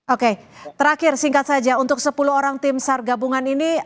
oke terakhir singkat saja untuk sepuluh orang tim sar gabungan ini